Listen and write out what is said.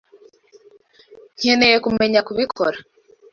Nkeneye kumenya kubikora.